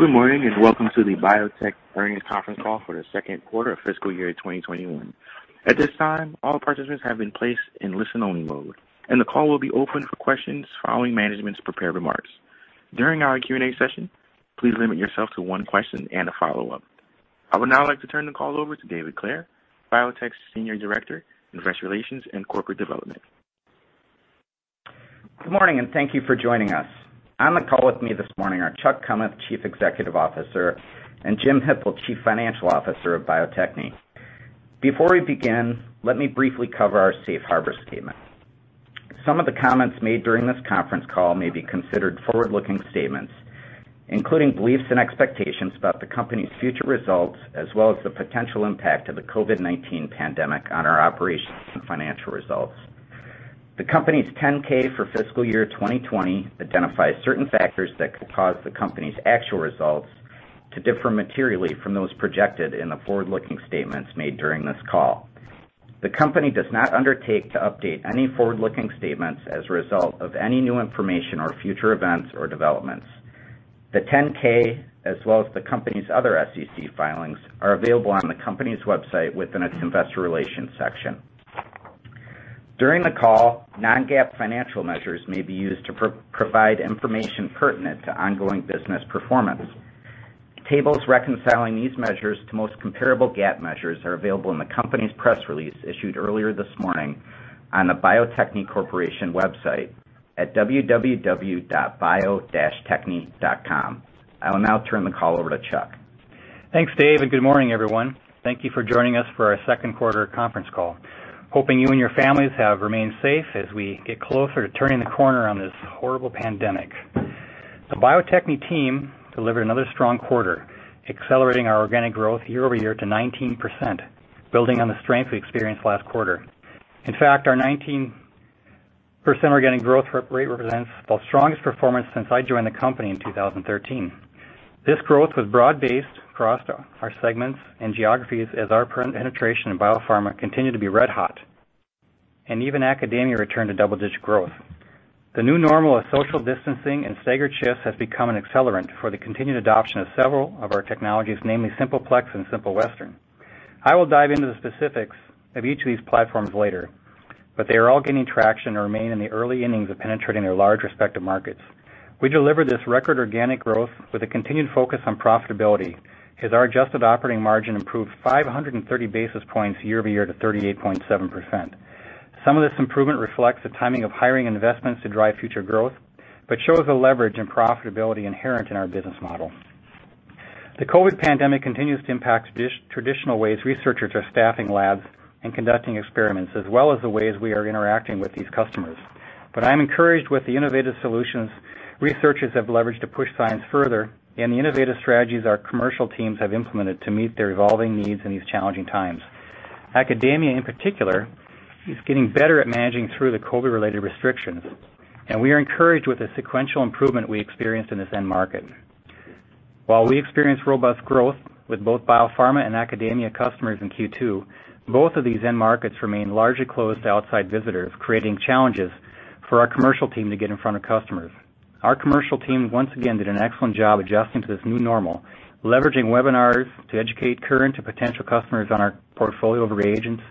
Good morning, welcome to the Bio-Techne earnings conference call for the second quarter of fiscal year 2021. At this time, all participants have been placed in listen-only mode, and the call will be open for questions following management's prepared remarks. During our Q&A session, please limit yourself to one question and a follow-up. I would now like to turn the call over to David Clair, Bio-Techne's Senior Director, Investor Relations and Corporate Development. Good morning and thank you for joining us. On the call with me this morning are Chuck Kummeth, Chief Executive Officer, and Jim Hippel, Chief Financial Officer of Bio-Techne. Before we begin, let me briefly cover our safe harbor statement. Some of the comments made during this conference call may be considered forward-looking statements, including beliefs and expectations about the company's future results, as well as the potential impact of the COVID-19 pandemic on our operations and financial results. The company's 10-K for fiscal year 2020 identifies certain factors that could cause the company's actual results to differ materially from those projected in the forward-looking statements made during this call. The company does not undertake to update any forward-looking statements as a result of any new information or future events or developments. The 10-K, as well as the company's other SEC filings, are available on the company's website within its investor relations section. During the call, non-GAAP financial measures may be used to provide information pertinent to ongoing business performance. Tables reconciling these measures to most comparable GAAP measures are available in the company's press release issued earlier this morning on the Bio-Techne Corporation website at www.bio-techne.com. I will now turn the call over to Chuck. Thanks, Dave. Good morning, everyone. Thank you for joining us for our second quarter conference call. We are hoping you and your families have remained safe as we get closer to turning the corner on this horrible pandemic. The Bio-Techne team delivered another strong quarter, accelerating our organic growth year-over-year to 19%, building on the strength we experienced last quarter. In fact, our 19% organic growth rate represents the strongest performance since I joined the company in 2013. This growth was broad-based across our segments and geographies as our current penetration in biopharma continued to be red hot, and even academia returned to double-digit growth. The new normal of social distancing and staggered shifts has become an accelerant for the continued adoption of several of our technologies, namely Simple Plex and Simple Western. I will dive into the specifics of each of these platforms later, but they are all gaining traction and remain in the early innings of penetrating their large respective markets. We delivered this record organic growth with a continued focus on profitability, as our adjusted operating margin improved 530 basis points year-over-year to 38.7%. Some of this improvement reflects the timing of hiring investments to drive future growth, but shows the leverage and profitability inherent in our business model. The COVID pandemic continues to impact traditional ways researchers are staffing labs and conducting experiments, as well as the ways we are interacting with these customers. I'm encouraged with the innovative solutions researchers have leveraged to push science further and the innovative strategies our commercial teams have implemented to meet their evolving needs in these challenging times. Academia, in particular, is getting better at managing through the COVID-related restrictions, and we are encouraged with the sequential improvement we experienced in this end market. While we experienced robust growth with both biopharma and academia customers in Q2, both of these end markets remain largely closed to outside visitors, creating challenges for our commercial team to get in front of customers. Our commercial team once again did an excellent job adjusting to this new normal, leveraging webinars to educate current or potential customers on our portfolio of reagents,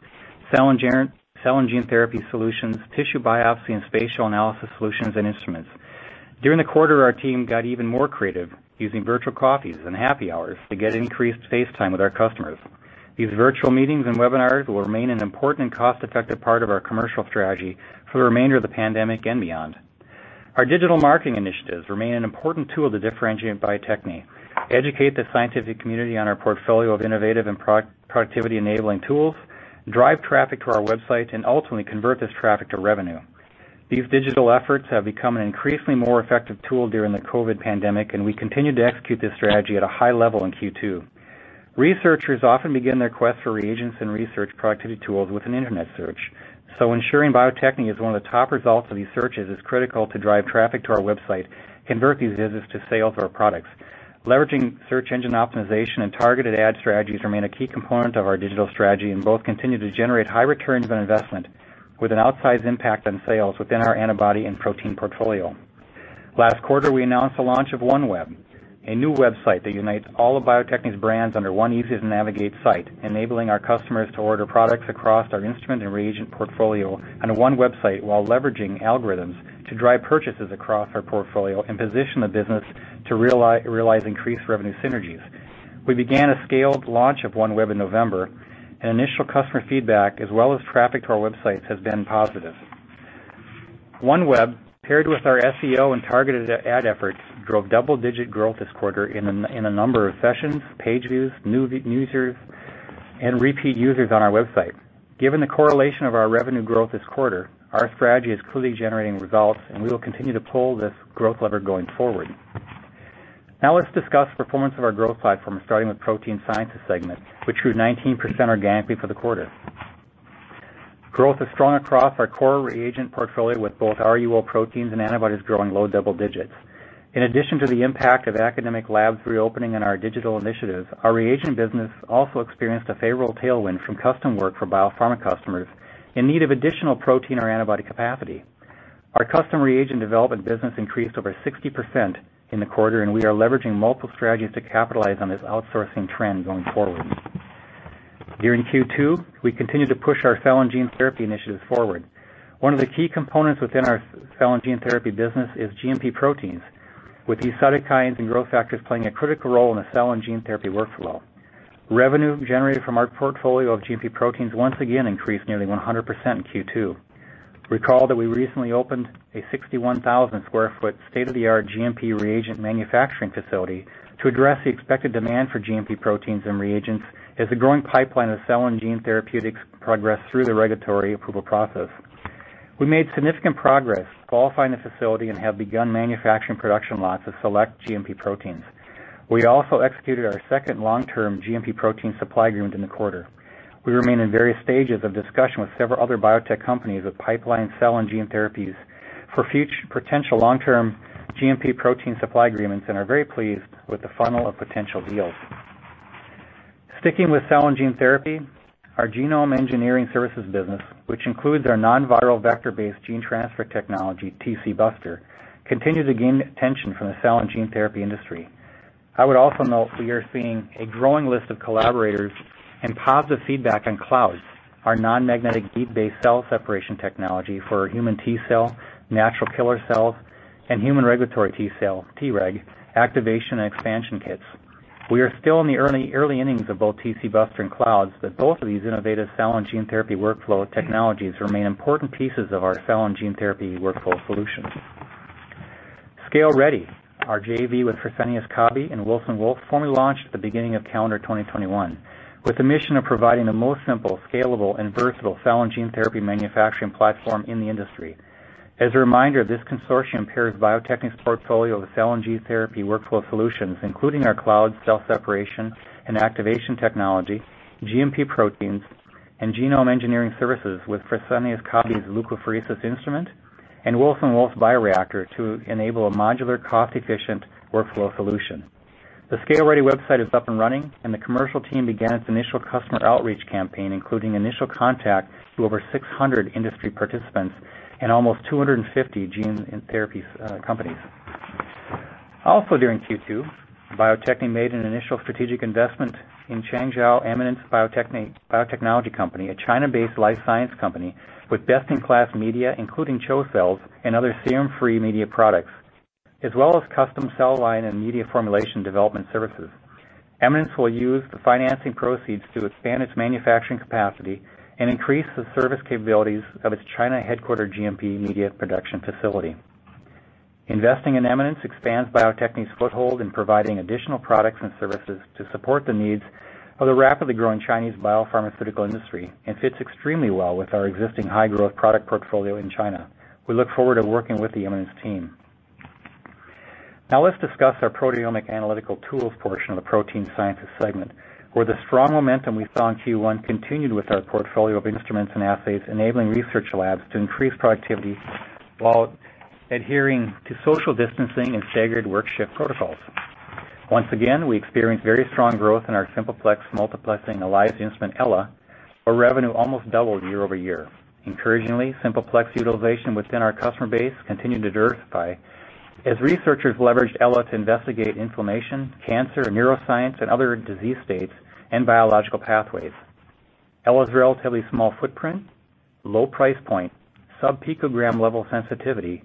cell and gene therapy solutions, tissue biopsy, and spatial analysis solutions and instruments. During the quarter, our team got even more creative using virtual coffees and happy hours to get increased face time with our customers. These virtual meetings and webinars will remain an important and cost-effective part of our commercial strategy for the remainder of the pandemic and beyond. Our digital marketing initiatives remain an important tool to differentiate Bio-Techne, educate the scientific community on our portfolio of innovative and productivity-enabling tools, drive traffic to our website, and ultimately convert this traffic to revenue. These digital efforts have become an increasingly more effective tool during the COVID pandemic. We continue to execute this strategy at a high level in Q2. Researchers often begin their quest for reagents and research productivity tools with an internet search, so ensuring Bio-Techne is one of the top results of these searches is critical to drive traffic to our website, convert these visits to sales of our products. Leveraging search engine optimization and targeted ad strategies remain a key component of our digital strategy and both continue to generate high returns on investment with an outsized impact on sales within our antibody and protein portfolio. Last quarter, we announced the launch of One Web, a new website that unites all of Bio-Techne's brands under one easy-to-navigate site, enabling our customers to order products across our instrument and reagent portfolio on one website while leveraging algorithms to drive purchases across our portfolio and position the business to realize increased revenue synergies. We began a scaled launch of One Web in November, and initial customer feedback as well as traffic to our websites has been positive. One Web, paired with our SEO and targeted ad efforts, drove double-digit growth this quarter in a number of sessions, page views, new users, and repeat users on our website. Given the correlation of our revenue growth this quarter, our strategy is clearly generating results, and we will continue to pull this growth lever going forward. Let's discuss performance of our Protein Sciences Segment, which grew 19% organically for the quarter. Growth is strong across our core reagent portfolio, with both RUO proteins and antibodies growing low double digits. In addition to the impact of academic labs reopening and our digital initiatives, our reagent business also experienced a favorable tailwind from custom work for biopharma customers in need of additional protein or antibody capacity. Our custom reagent development business increased over 60% in the quarter, and we are leveraging multiple strategies to capitalize on this outsourcing trend going forward. During Q2, we continued to push our cell and gene therapy initiatives forward. One of the key components within our cell and gene therapy business is GMP proteins, with these cytokines and growth factors playing a critical role in the cell and gene therapy workflow. Revenue generated from our portfolio of GMP proteins once again increased nearly 100% in Q2. Recall that we recently opened a 61,000 sq ft state-of-the-art GMP reagent manufacturing facility to address the expected demand for GMP proteins and reagents as the growing pipeline of cell and gene therapeutics progress through the regulatory approval process. We made significant progress qualifying the facility and have begun manufacturing production lots of select GMP proteins. We also executed our second long-term GMP protein supply agreement in the quarter. We remain in various stages of discussion with several other biotech companies with pipeline cell and gene therapies for potential long-term GMP protein supply agreements and are very pleased with the funnel of potential deals. Sticking with cell and gene therapy, our genome engineering services business, which includes our non-viral vector-based gene transfer technology, TcBuster, continues to gain attention from the cell and gene therapy industry. I would also note we are seeing a growing list of collaborators and positive feedback on Cloudz, our non-magnetic heat-based cell separation technology for human T cell, natural killer cells, and human regulatory T cell, Treg, activation and expansion kits. We are still in the early innings of both TcBuster and Cloudz, both of these innovative cell and gene therapy workflow technologies remain important pieces of our cell and gene therapy workflow solutions. ScaleReady, our JV with Fresenius Kabi and Wilson Wolf, formally launched at the beginning of calendar 2021 with the mission of providing the most simple, scalable, and versatile cell and gene therapy manufacturing platform in the industry. As a reminder, this consortium pairs Bio-Techne's portfolio of cell and gene therapy workflow solutions, including our Cloudz cell separation and activation technology, GMP proteins, and genome engineering services with Fresenius Kabi's leukapheresis instrument and Wilson Wolf's bioreactor to enable a modular, cost-efficient workflow solution. The ScaleReady website is up and running, and the commercial team began its initial customer outreach campaign, including initial contact to over 600 industry participants and almost 250 gene and therapy companies. Also during Q2, Bio-Techne made an initial strategic investment in Changzhou Eminence Biotechnology Company, a China-based life science company with best-in-class media, including CHO cells and other serum-free media products, as well as custom cell line and media formulation development services. Eminence will use the financing proceeds to expand its manufacturing capacity and increase the service capabilities of its China-headquartered GMP media production facility. Investing in Eminence expands Bio-Techne's foothold in providing additional products and services to support the needs of the rapidly growing Chinese biopharmaceutical industry and fits extremely well with our existing high-growth product portfolio in China. We look forward to working with the Eminence team. Let's discuss our proteomic analytical tools portion of the protein sciences segment, where the strong momentum we saw in Q1 continued with our portfolio of instruments and assays, enabling research labs to increase productivity while adhering to social distancing and staggered work shift protocols. Once again, we experienced very strong growth in our Simple Plex multiplexing ELISA instrument, Ella, where revenue almost doubled year-over-year. Encouragingly, Simple Plex utilization within our customer base continued to diversify as researchers leveraged Ella to investigate inflammation, cancer, neuroscience, and other disease states and biological pathways. Ella's relatively small footprint, low price point, sub-picogram level sensitivity,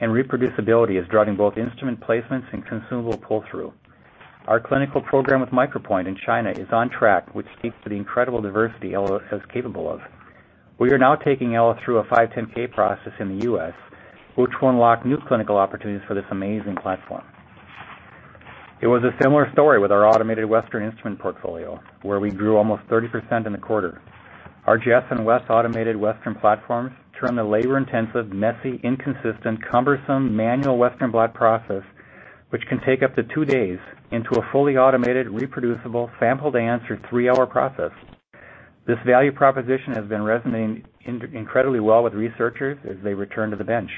and reproducibility is driving both instrument placements and consumable pull-through. Our clinical program with Micropoint in China is on track, which speaks to the incredible diversity Ella is capable of. We are now taking Ella through a 510(k) process in the U.S., which will unlock new clinical opportunities for this amazing platform. It was a similar story with our Simple Western instrument portfolio, where we grew almost 30% in the quarter. Our Jess and Wes automated Simple Western platforms turn the labor-intensive, messy, inconsistent, cumbersome manual Simple Western blot process, which can take up to two days, into a fully automated, reproducible, sample-to-answer three-hour process. This value proposition has been resonating incredibly well with researchers as they return to the bench.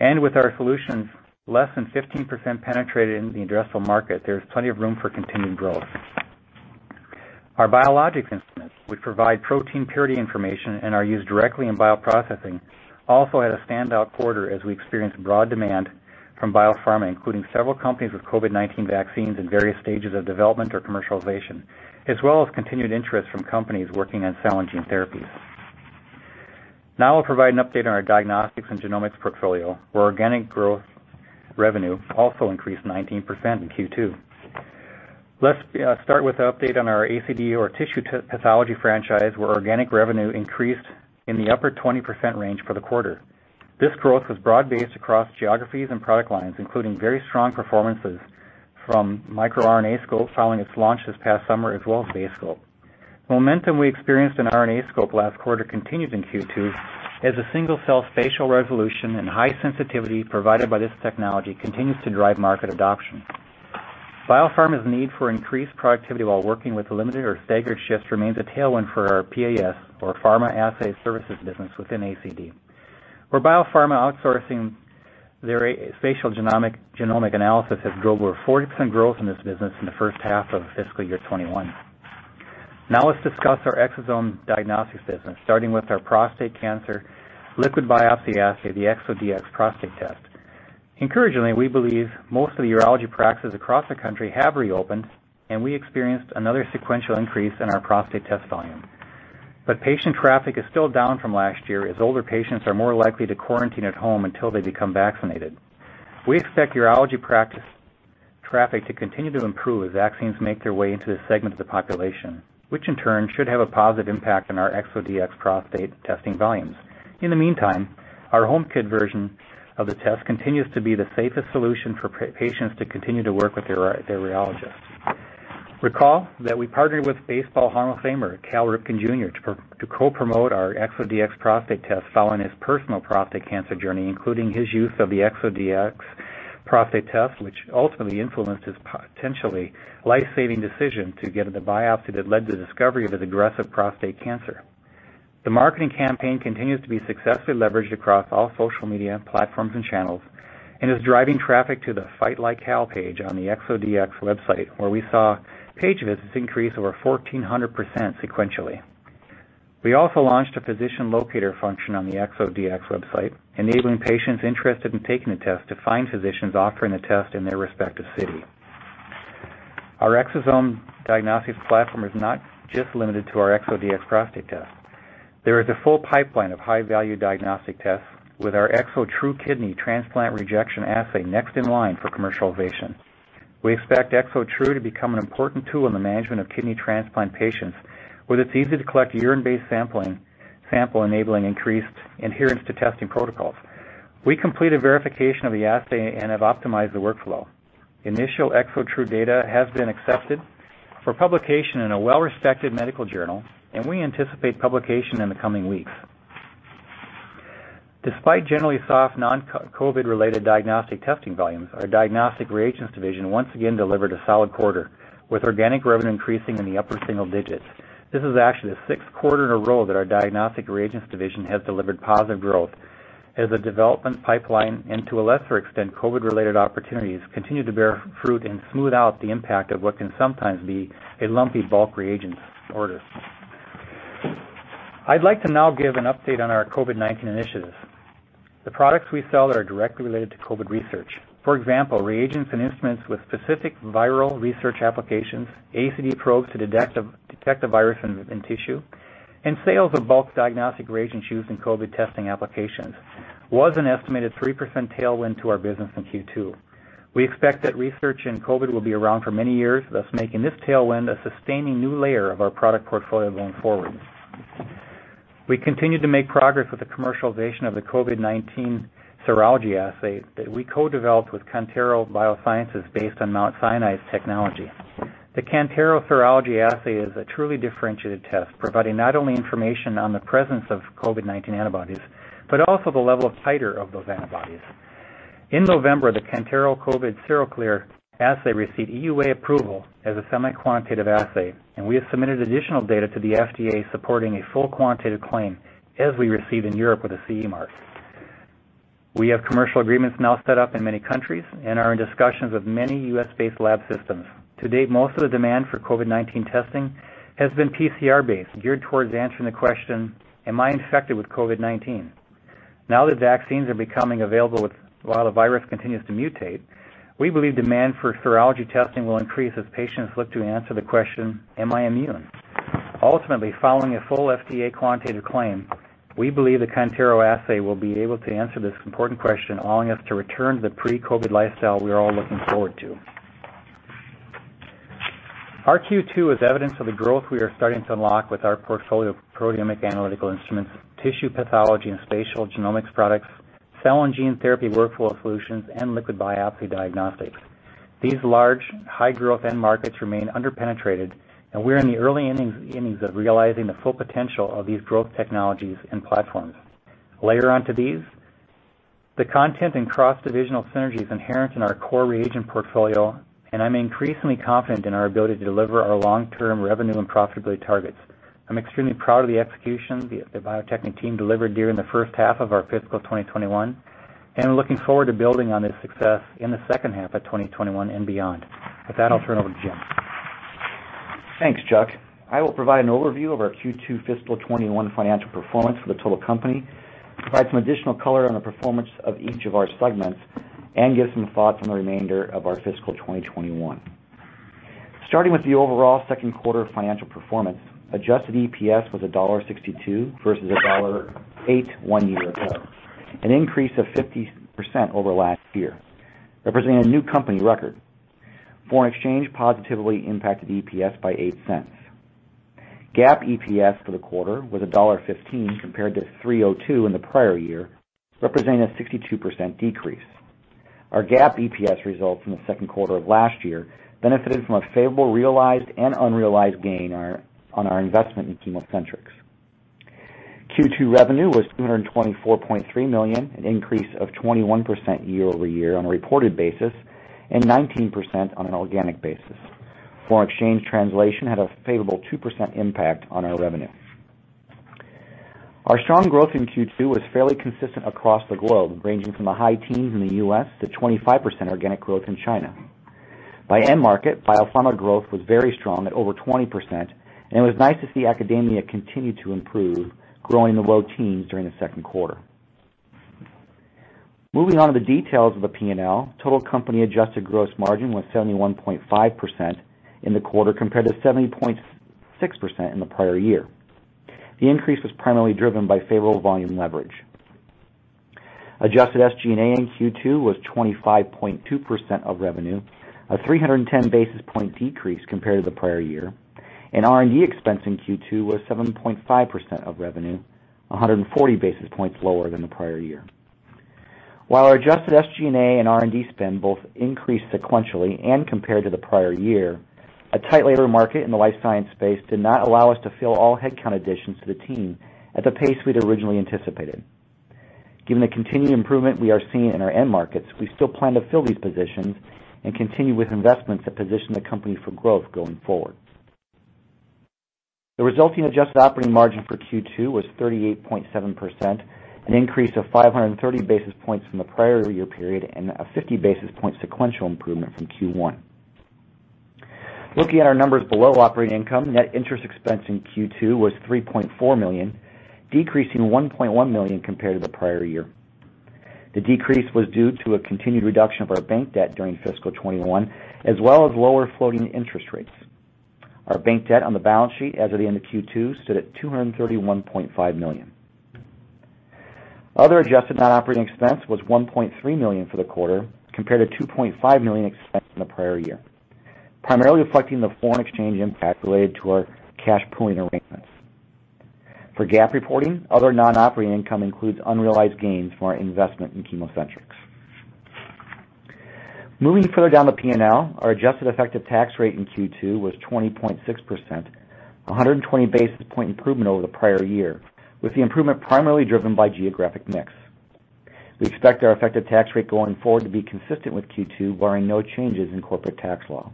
With our solutions less than 15% penetrated in the addressable market, there's plenty of room for continued growth. Our Biologics instruments, which provide protein purity information and are used directly in bioprocessing, also had a standout quarter as we experienced broad demand from biopharma, including several companies with COVID-19 vaccines in various stages of development or commercialization, as well as continued interest from companies working on cell and gene therapies. I'll provide an update on our diagnostics and genomics portfolio, where organic growth revenue also increased 19% in Q2. Let's start with the update on our ACD or tissue pathology franchise, where organic revenue increased in the upper 20% range for the quarter. This growth was broad-based across geographies and product lines, including very strong performances from miRNAscope following its launch this past summer, as well as BaseScope. Momentum we experienced in RNAscope last quarter continued in Q2 as the single-cell spatial resolution and high sensitivity provided by this technology continues to drive market adoption. Biopharma's need for increased productivity while working with limited or staggered shifts remains a tailwind for our PAS or Pharma Assay Services business within ACD, where biopharma outsourcing their spatial genomic analysis has drove over 40% growth in this business in the first half of fiscal year 2021. Let's discuss our Exosome Diagnostics business, starting with our prostate cancer liquid biopsy assay, the ExoDx prostate test. Encouragingly, we believe most of the urology practices across the country have reopened, and we experienced another sequential increase in our prostate test volume. Patient traffic is still down from last year, as older patients are more likely to quarantine at home until they become vaccinated. We expect urology practice traffic to continue to improve as vaccines make their way into this segment of the population, which in turn should have a positive impact on our ExoDx prostate testing volumes. In the meantime, our home kit version of the test continues to be the safest solution for patients to continue to work with their urologist. Recall that we partnered with baseball Hall of Famer Cal Ripken Jr. to co-promote our ExoDx prostate test following his personal prostate cancer journey, including his use of the ExoDx prostate test, which ultimately influenced his potentially life-saving decision to get the biopsy that led to the discovery of his aggressive prostate cancer. The marketing campaign continues to be successfully leveraged across all social media platforms and channels and is driving traffic to the Fight Like Cal page on the ExoDx website, where we saw page visits increase over 1,400% sequentially. We also launched a physician locator function on the ExoDx website, enabling patients interested in taking the test to find physicians offering the test in their respective city. Our Exosome Diagnostics platform is not just limited to our ExoDx prostate test. There is a full pipeline of high-value diagnostic tests with our ExoTRU kidney transplant rejection assay next in line for commercialization. We expect ExoTRU to become an important tool in the management of kidney transplant patients, with its easy-to-collect urine-based sample, enabling increased adherence to testing protocols. We completed verification of the assay and have optimized the workflow. Initial ExoTRU data has been accepted for publication in a well-respected medical journal. We anticipate publication in the coming weeks. Despite generally soft non-COVID-related diagnostic testing volumes, our diagnostic reagents division once again delivered a solid quarter, with organic revenue increasing in the upper single digits. This is actually the sixth quarter in a row that our diagnostic reagents division has delivered positive growth as a development pipeline and, to a lesser extent, COVID-related opportunities continue to bear fruit and smooth out the impact of what can sometimes be a lumpy bulk reagent order. I'd like to now give an update on our COVID-19 initiatives. The products we sell are directly related to COVID research. For example, reagents and instruments with specific viral research applications, ACD Probes to detect a virus in tissue, and sales of bulk diagnostic reagents used in COVID testing applications was an estimated 3% tailwind to our business in Q2. We expect that research in COVID will be around for many years, thus making this tailwind a sustaining new layer of our product portfolio going forward. We continue to make progress with the commercialization of the COVID-19 serology assay that we co-developed with Kantaro Biosciences based on Mount Sinai's technology. The Kantaro serology assay is a truly differentiated test, providing not only information on the presence of COVID-19 antibodies, but also the level of titer of those antibodies. In November, the Kantaro COVID-SeroKlir assay received EUA approval as a semi-quantitative assay, and we have submitted additional data to the FDA supporting a full quantitative claim, as we received in Europe with a CE mark. We have commercial agreements now set up in many countries and are in discussions with many U.S.-based lab systems. To date, most of the demand for COVID-19 testing has been PCR-based, geared towards answering the question, "Am I infected with COVID-19?" Now that vaccines are becoming available while the virus continues to mutate, we believe demand for serology testing will increase as patients look to answer the question, "Am I immune?" Ultimately, following a full FDA quantitative claim, we believe the Kantaro assay will be able to answer this important question, allowing us to return to the pre-COVID lifestyle we are all looking forward to. Our Q2 is evidence of the growth we are starting to unlock with our portfolio of proteomic analytical instruments, tissue pathology and spatial genomics products, cell and gene therapy workflow solutions, and liquid biopsy diagnostics. These large, high-growth end markets remain under-penetrated, and we're in the early innings of realizing the full potential of these growth technologies and platforms. Layered onto these, the content and cross-divisional synergy is inherent in our core reagent portfolio, and I'm increasingly confident in our ability to deliver our long-term revenue and profitability targets. I'm extremely proud of the execution the Bio-Techne team delivered during the first half of our fiscal 2021, and we're looking forward to building on this success in the second half of 2021 and beyond. With that, I'll turn it over to Jim. Thanks, Chuck. I will provide an overview of our Q2 fiscal 2021 financial performance for the total company, provide some additional color on the performance of each of our segments, and give some thoughts on the remainder of our fiscal 2021. Starting with the overall second quarter financial performance, adjusted EPS was $1.62 versus $1.08 one year ago, an increase of 50% over last year, representing a new company record. Foreign exchange positively impacted EPS by $0.08. GAAP EPS for the quarter was $1.15, compared to $3.02 in the prior year, representing a 62% decrease. Our GAAP EPS results in the second quarter of last year benefited from a favorable realized and unrealized gain on our investment in ChemoCentryx. Q2 revenue was $224.3 million, an increase of 21% year-over-year on a reported basis and 19% on an organic basis. Foreign exchange translation had a favorable 2% impact on our revenue. Our strong growth in Q2 was fairly consistent across the globe, ranging from the high teens in the U.S. to 25% organic growth in China. By end market, biopharma growth was very strong at over 20%, and it was nice to see academia continue to improve, grow in the low teens during the second quarter. Moving on to the details of the P&L, total company adjusted gross margin was 71.5% in the quarter, compared to 70.6% in the prior year. The increase was primarily driven by favorable volume leverage. Adjusted SG&A in Q2 was 25.2% of revenue, a 310 basis point decrease compared to the prior year. R&D expense in Q2 was 7.5% of revenue, 140 basis points lower than the prior year. While our adjusted SG&A and R&D spend both increased sequentially and compared to the prior year, a tight labor market in the life science space did not allow us to fill all headcount additions to the team at the pace we had originally anticipated. Given the continued improvement we are seeing in our end markets, we still plan to fill these positions and continue with investments that position the company for growth going forward. The resulting adjusted operating margin for Q2 was 38.7%, an increase of 530 basis points from the prior year period and a 50 basis point sequential improvement from Q1. Looking at our numbers below operating income, net interest expense in Q2 was $3.4 million, decreasing $1.1 million compared to the prior year. The decrease was due to a continued reduction of our bank debt during fiscal 2021, as well as lower floating interest rates. Our bank debt on the balance sheet as of the end of Q2 stood at $231.5 million. Other adjusted non-operating expense was $1.3 million for the quarter, compared to $2.5 million expense in the prior year, primarily reflecting the foreign exchange impact related to our cash pooling arrangements. For GAAP reporting, other non-operating income includes unrealized gains from our investment in ChemoCentryx. Moving further down the P&L, our adjusted effective tax rate in Q2 was 20.6%, a 120 basis point improvement over the prior year, with the improvement primarily driven by geographic mix. We expect our effective tax rate going forward to be consistent with Q2, barring no changes in corporate tax law.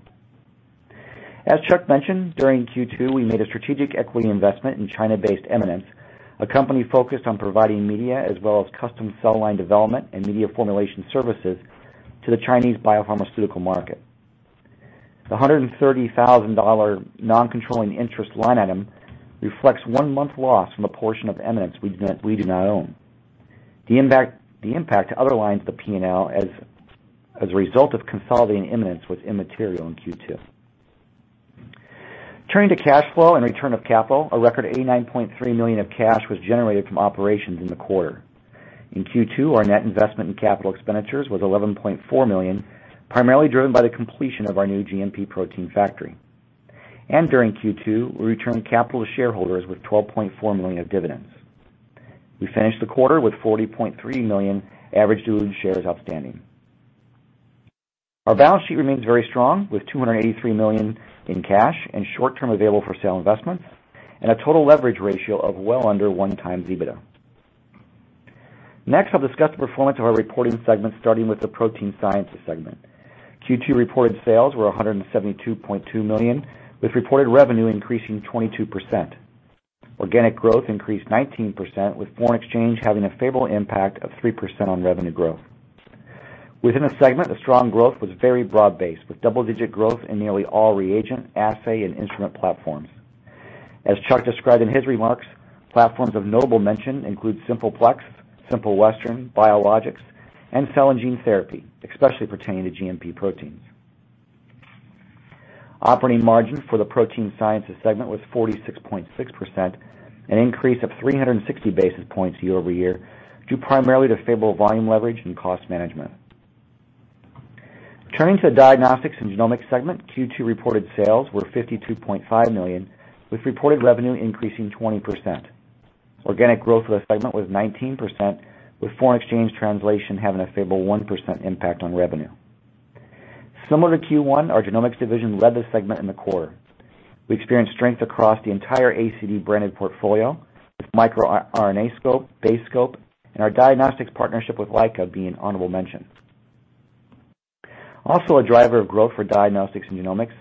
As Chuck Kummeth mentioned, during Q2, we made a strategic equity investment in China-based Eminence, a company focused on providing media as well as custom cell line development and media formulation services to the Chinese biopharmaceutical market. The $130,000 non-controlling interest line item reflects one month loss from a portion of Eminence we do not own. The impact to other lines of the P&L as a result of consolidating Eminence was immaterial in Q2. Turning to cash flow and return of capital, a record $89.3 million of cash was generated from operations in the quarter. In Q2, our net investment in capital expenditures was $11.4 million, primarily driven by the completion of our new GMP protein factory. During Q2, we returned capital to shareholders with $12.4 million of dividends. \We finished the quarter with 40.3 million average diluted shares outstanding. Our balance sheet remains very strong, with $283 million in cash and short-term available-for-sale investments and a total leverage ratio of well under one times EBITDA. Next, I'll discuss the performance of our reporting segment, starting with the protein sciences segment. Q2 reported sales were $172.2 million, with reported revenue increasing 22%. Organic growth increased 19%, with foreign exchange having a favorable impact of 3% on revenue growth. Within the segment, the strong growth was very broad-based, with double-digit growth in nearly all reagent, assay, and instrument platforms. As Chuck Kummeth described in his remarks, platforms of notable mention include Simple Plex, Simple Western, Biologics, and Cell and Gene Therapy, especially pertaining to GMP proteins. Operating margin for the protein sciences segment was 46.6%, an increase of 360 basis points year-over-year, due primarily to favorable volume leverage and cost management. Turning to the diagnostics and genomics segment, Q2 reported sales were $52.5 million, with reported revenue increasing 20%. Organic growth of the segment was 19%, with foreign exchange translation having a favorable 1% impact on revenue. Similar to Q1, our genomics division led the segment in the quarter. We experienced strength across the entire ACD branded portfolio, with miRNAscope, BaseScope, and our diagnostics partnership with Leica being honorable mention. Also a driver of growth for diagnostics and genomics,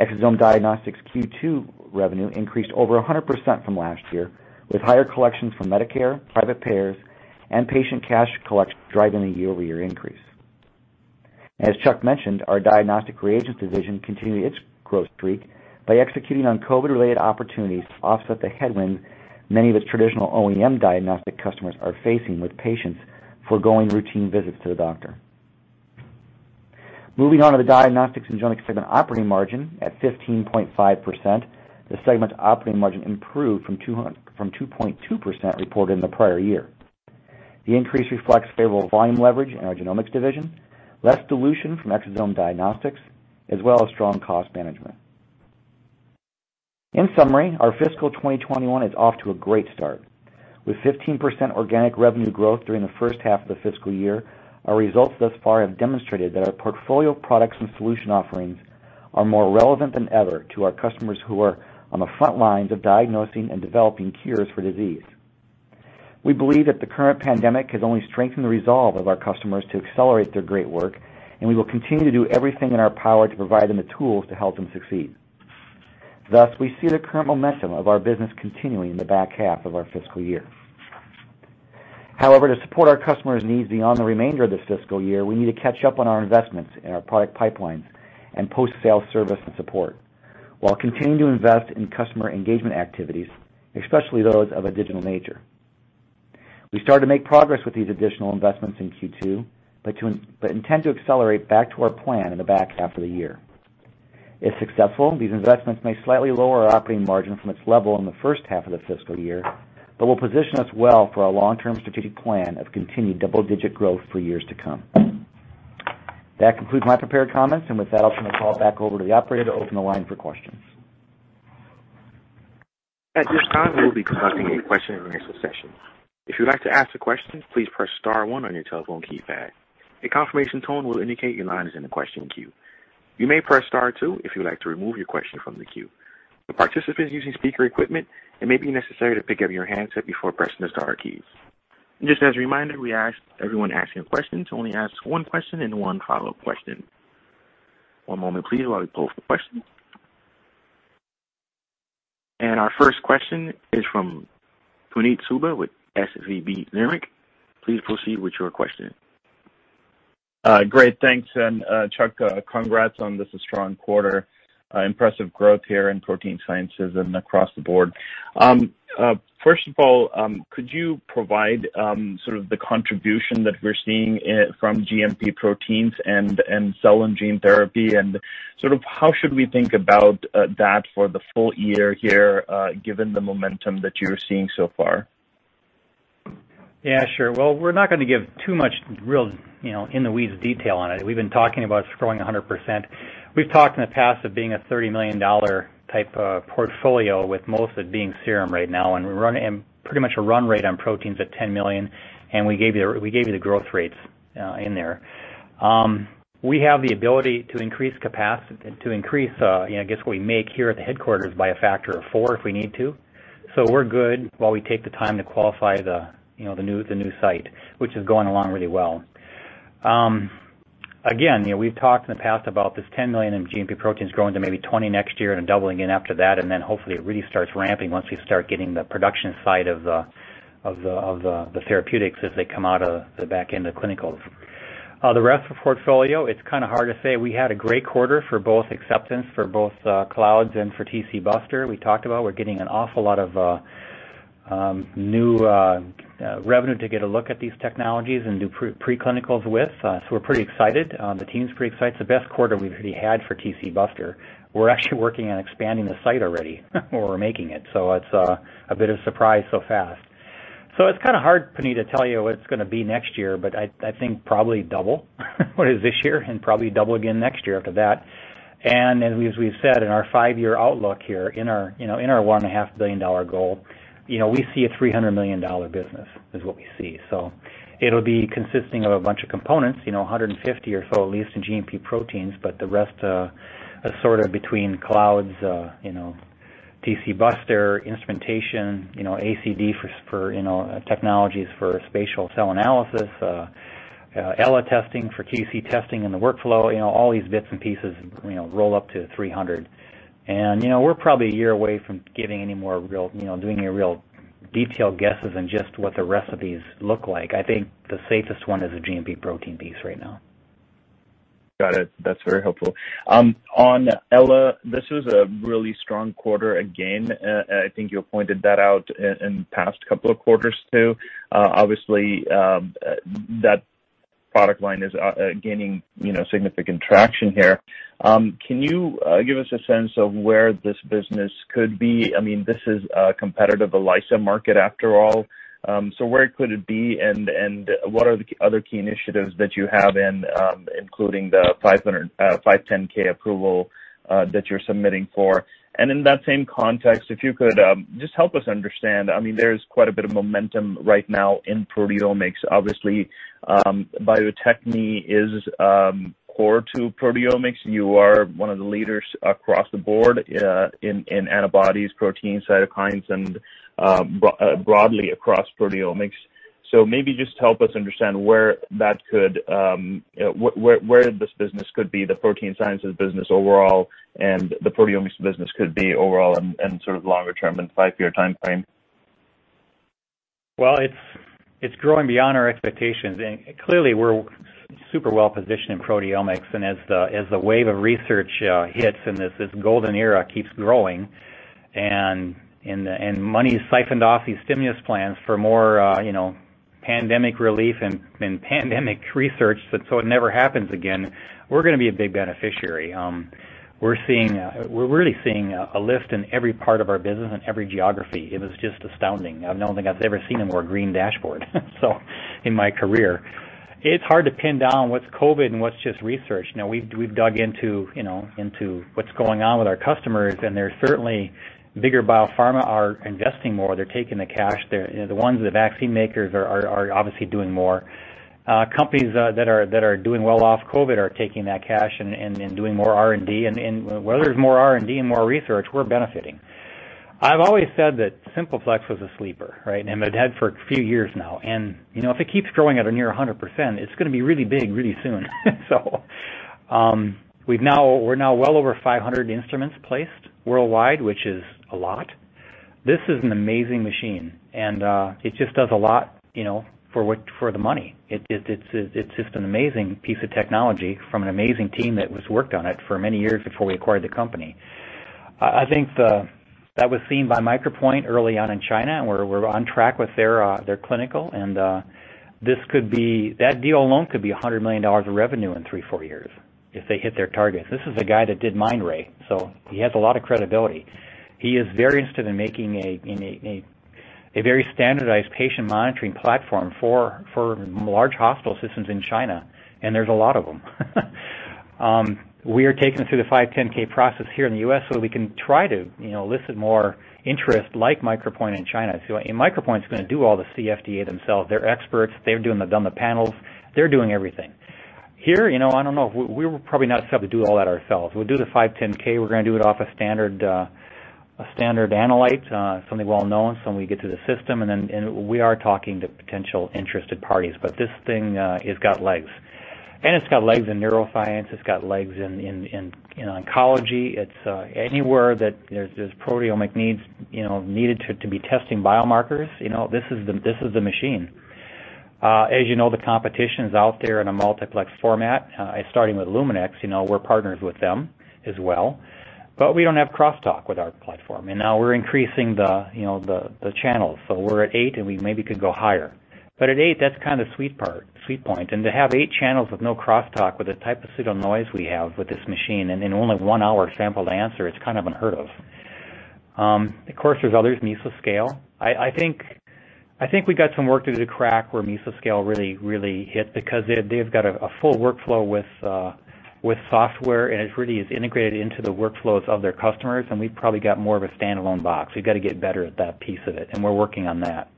Exosome Diagnostics Q2 revenue increased over 100% from last year, with higher collections from Medicare, private payers, and patient cash collections driving the year-over-year increase. As Chuck mentioned, our diagnostic reagents division continued its growth streak by executing on COVID-related opportunities to offset the headwinds many of its traditional OEM diagnostic customers are facing with patients foregoing routine visits to the doctor. Moving on to the diagnostics and genomics segment operating margin at 15.5%, the segment's operating margin improved from 2.2% reported in the prior year. The increase reflects favorable volume leverage in our genomics division, less dilution from Exosome Diagnostics, as well as strong cost management. In summary, our fiscal 2021 is off to a great start. With 15% organic revenue growth during the first half of the fiscal year, our results thus far have demonstrated that our portfolio of products and solution offerings are more relevant than ever to our customers who are on the front lines of diagnosing and developing cures for disease. We believe that the current pandemic has only strengthened the resolve of our customers to accelerate their great work, and we will continue to do everything in our power to provide them the tools to help them succeed. We see the current momentum of our business continuing in the back half of our fiscal year. However, to support our customers' needs beyond the remainder of this fiscal year, we need to catch up on our investments in our product pipelines and post-sale service and support, while continuing to invest in customer engagement activities, especially those of a digital nature. We started to make progress with these additional investments in Q2. Intend to accelerate back to our plan in the back half of the year. If successful, these investments may slightly lower our operating margin from its level in the first half of the fiscal year. Will position us well for our long-term strategic plan of continued double-digit growth for years to come. That concludes my prepared comments. With that, I'll turn the call back over to the operator to open the line for questions. Our first question is from Puneet Souda with SVB Leerink. Please proceed with your question. Great. Thanks, and Chuck, congrats on this strong quarter. Impressive growth here in ProteinSimple and across the board. First of all, could you provide sort of the contribution that we're seeing from GMP proteins and cell and gene therapy, and how should we think about that for the full year here, given the momentum that you're seeing so far? Yeah, sure. Well, we're not going to give too much real in the weeds detail on it. We've been talking about growing 100%. We've talked in the past of being a $30 million type of portfolio, with most of it being serum right now, and pretty much a run rate on proteins at $10 million, and we gave you the growth rates in there. We have the ability to increase capacity, to increase I guess, what we make here at the headquarters by a factor of four if we need to. We're good while we take the time to qualify the new site, which is going along really well. We've talked in the past about this $10 million in GMP proteins growing to maybe $20 next year, doubling again after that. Hopefully it really starts ramping once we start getting the production side of the therapeutics as they come out of the back end of clinicals. The rest of the portfolio, it's kind of hard to say. We had a great quarter for both acceptance for both Cloudz and for TcBuster. We talked about we're getting an awful lot of new revenue to get a look at these technologies and do pre-clinicals with. We're pretty excited. The team's pretty excited. The best quarter we've had for TcBuster. We're actually working on expanding the site already while we're making it's a bit of surprise so fast. It's kind of hard, Puneet, to tell you what it's going to be next year, but I think probably double what it is this year and probably double again next year after that. As we've said in our five-year outlook here, in our $1.5 billion goal, we see a $300 million business, is what we see. It'll be consisting of a bunch of components, 150 or so, at least in GMP proteins, but the rest are sort of between Cloudz, TcBuster, instrumentation, ACD for technologies for spatial cell analysis, Ella testing for QC testing in the workflow. All these bits and pieces roll up to 300. We're probably a year away from doing any real detailed guesses on just what the recipes look like. I think the safest one is the GMP protein piece right now. Got it. That's very helpful. On Ella, this was a really strong quarter again. I think you pointed that out in the past couple of quarters, too. Obviously, that product line is gaining significant traction here. Can you give us a sense of where this business could be? This is competitive, the ELISA market, after all. Where could it be, and what are the other key initiatives that you have, including the 510 approval that you're submitting for? In that same context, if you could just help us understand, there's quite a bit of momentum right now in proteomics. Obviously, Bio-Techne is core to proteomics. You are one of the leaders across the board in antibodies, proteins, cytokines, and broadly across proteomics. Maybe just help us understand where this business could be, the protein sciences business overall, and the proteomics business could be overall in sort of longer term, in the five-year timeframe. Well, it's growing beyond our expectations, and clearly, we're super well-positioned in proteomics, and as the wave of research hits and as this golden era keeps growing and money's siphoned off these stimulus plans for more pandemic relief and pandemic research, so it never happens again, we're going to be a big beneficiary. We're really seeing a lift in every part of our business and every geography. It was just astounding. I don't think I've ever seen a more green dashboard in my career. It's hard to pin down what's COVID and what's just research. We've dug into what's going on with our customers, and they're certainly, bigger biopharma are investing more. They're taking the cash. The ones, the vaccine makers, are obviously doing more. Companies that are doing well off COVID are taking that cash and doing more R&D. Where there's more R&D and more research, we're benefiting. I've always said that Simple Plex was a sleeper, right? It had for a few years now, and if it keeps growing at or near 100%, it's going to be really big, really soon. We're now well over 500 instruments placed worldwide, which is a lot. This is an amazing machine and it just does a lot for the money. It's just an amazing piece of technology from an amazing team that has worked on it for many years before we acquired the company. I think that was seen by Micropoint early on in China, and we're on track with their clinical and that deal alone could be $100 million of revenue in three, four years if they hit their targets. This is a guy that did Mindray, he has a lot of credibility. He is very interested in making a very standardized patient monitoring platform for large hospital systems in China, and there's a lot of them. We are taken through the 510 process here in the U.S. so we can try to elicit more interest like Micropoint in China. Micropoint's going to do all the CFDA themselves. They're experts. They've done the panels. They're doing everything. Here, I don't know, we're probably not set up to do all that ourselves. We'll do the 510. We're going to do it off a standard analyte, something well known, so when we get to the system and we are talking to potential interested parties. This thing has got legs. It's got legs in neuroscience. It's got legs in oncology. It's anywhere that there's proteomic needs, needed to be testing biomarkers. This is the machine. As you know, the competition's out there in a multiplex format, starting with Luminex. We're partners with them as well, we don't have crosstalk with our platform. Now we're increasing the channels. We're at eight and we maybe could go higher. At eight, that's kind of sweet point, and to have eight channels with no crosstalk with the type of pseudo noise we have with this machine, and in only one-hour sample to answer, it's kind of unheard of. Of course, there's others, Meso Scale. I think we got some work to do to crack where Meso Scale really hit because they've got a full workflow with software and it really is integrated into the workflows of their customers. We've probably got more of a standalone box. We've got to get better at that piece of it, and we're working on that.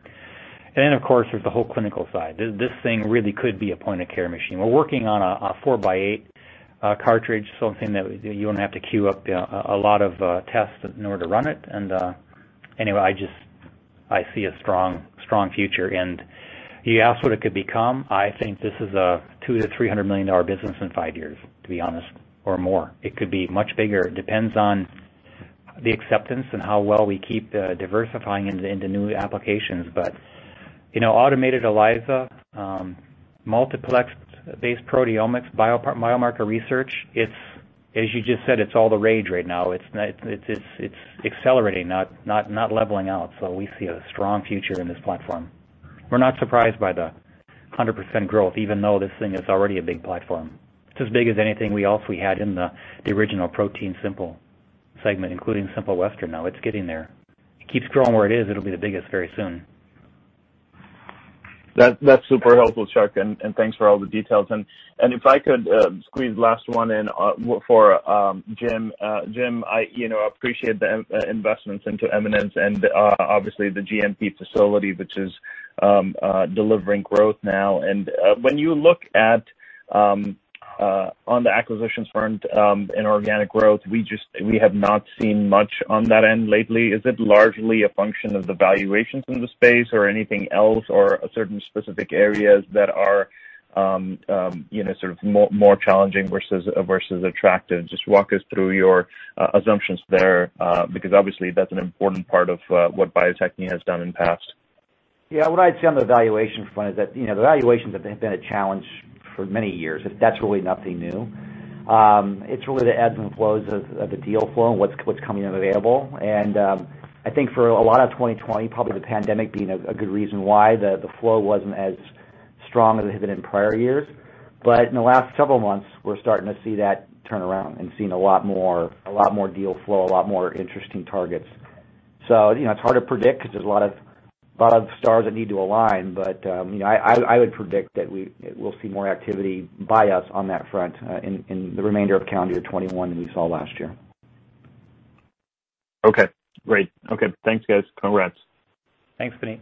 Then, of course, there's the whole clinical side. This thing really could be a point of care machine. We're working on a four by eight cartridge, something that you won't have to queue up a lot of tests in order to run it. Anyway, I see a strong future. You asked what it could become. I think this is a $200 million-$300 million business in five years, to be honest, or more. It could be much bigger. It depends on the acceptance and how well we keep diversifying into new applications. Automated ELISA, multiplex-based proteomics, biomarker research, as you just said, it's all the rage right now. It's accelerating, not leveling out. We see a strong future in this platform. We're not surprised by the 100% growth, even though this thing is already a big platform. It's as big as anything else we had in the original ProteinSimple segment, including Simple Western now. It's getting there. It keeps growing where it is, it'll be the biggest very soon. That's super helpful, Chuck, and thanks for all the details. If I could squeeze last one in for Jim. Jim, I appreciate the investments into Eminence and, obviously, the GMP facility, which is delivering growth now. When you look at on the acquisitions front, inorganic growth, we have not seen much on that end lately. Is it largely a function of the valuations in the space or anything else, or certain specific areas that are sort of more challenging versus attractive? Just walk us through your assumptions there, because obviously, that's an important part of what Bio-Techne has done in past. What I'd say on the valuation front is that the valuations have been a challenge for many years. That's really nothing new. It's really the ebbs and flows of the deal flow and what's coming available. I think for a lot of 2020, probably the pandemic being a good reason why the flow wasn't as strong as it had been in prior years. In the last couple of months, we're starting to see that turn around and seeing a lot more deal flow, a lot more interesting targets. It's hard to predict because there's a lot of stars that need to align. I would predict that we'll see more activity by us on that front in the remainder of calendar 2021 than we saw last year. Okay, great. Okay, thanks guys. Congrats. Thanks, Puneet.